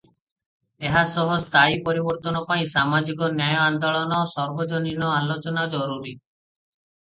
ଏହା ସହ ସ୍ଥାୟୀ ପରିବର୍ତ୍ତନ ପାଇଁ ସାମାଜିକ ନ୍ୟାୟ ଆନ୍ଦୋଳନ, ସାର୍ବଜନୀନ ଆଲୋଚନା ଜରୁରୀ ।